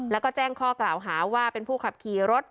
แล้วก็แจ้งข้อกล่าวหาว่าเป็นผู้ขับขี่รถ